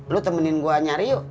lu temenin gue nyari yuk